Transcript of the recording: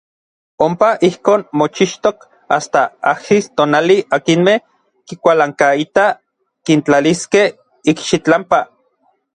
Ompa ijkon mochixtok asta ajsis tonali akinmej kikualankaitaj kintlaliskej ikxitlampa.